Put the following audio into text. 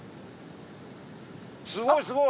すごいすごい！